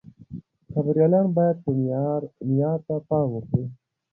خبريالان بايد معيار ته پام وکړي.